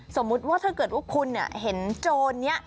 สมมุติว่าถ้าเกิดว่าคุณเห็นโจรนี้